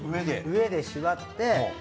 上で縛って。